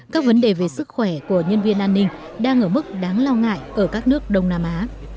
các vấn đề về sức khỏe của nhân viên an ninh đang ở mức đáng lo ngại ở các nước đông nam á